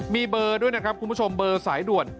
มีเบอร์ด้วยนะครับคุณผู้ชมเบอร์สายด่วน